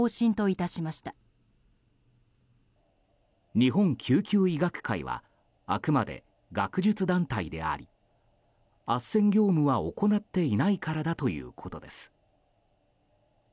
日本救急医学会はあくまで学術団体でありあっせん業務は行っていないからだということです。